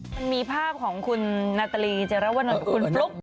มันมีภาพของคุณนาตรีเจรวนลคุณฟลุ๊ก